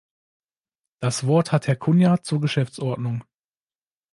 Das Wort hat Herr Cunha zur Geschäftsordnung.